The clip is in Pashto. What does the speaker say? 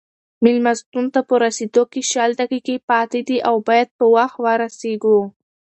مېلمستون ته په رسېدو کې شل دقیقې پاتې دي او باید په وخت ورسېږو.